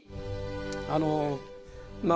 あのまあ